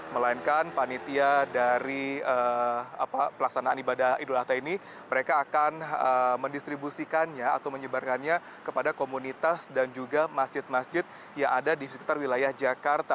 melainkan panitia dari pelaksanaan ibadah idul adha ini mereka akan mendistribusikannya atau menyebarkannya kepada komunitas dan juga masjid masjid yang ada di sekitar wilayah jakarta